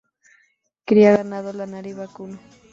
Cría ganado lanar y vacuno.